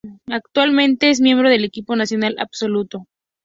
Actualmente es miembro del Equipo Nacional Absoluto.